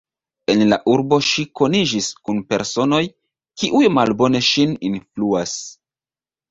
En la urbo ŝi koniĝis kun personoj, kiuj malbone ŝin influas.